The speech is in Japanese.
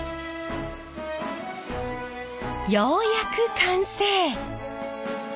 ようやく完成！